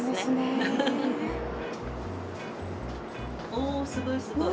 おすごいすごい。